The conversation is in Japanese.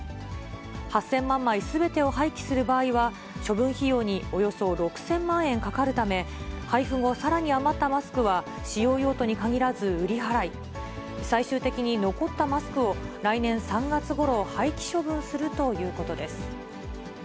８０００万枚すべてを廃棄する場合は、処分費用におよそ６０００万円かかるため、配布後、さらに余ったマスクは、使用用途に限らず売り払い、最終的に残ったマスクを来年３月ごろ、廃棄処分するということです。